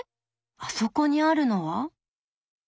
あそこにあるのは？